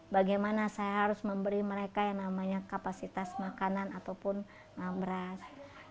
bagaimana saya harus memberi mereka yang namanya kapasitas makanan ataupun beras